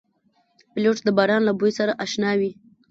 پیلوټ د باران له بوی سره اشنا وي.